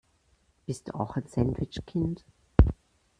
Bist du auch ein Sandwich-Kind?